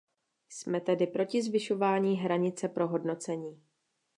Jsme tedy proti zvyšování hranice pro hodnocení.